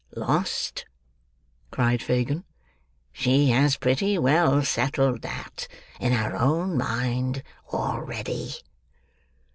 "Lost!" cried Fagin. "She has pretty well settled that, in her own mind, already."